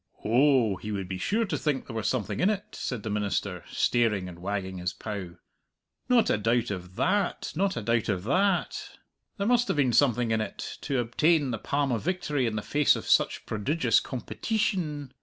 "Oh, he would be sure to think there was something in it," said the minister, staring, and wagging his pow. "Not a doubt of tha at, not a doubt of tha at! There must have been something in it to obtain the palm of victory in the face of such prodigious competeetion.